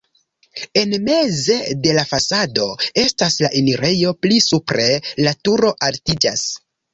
En meze de la fasado estas la enirejo, pli supre la turo altiĝas.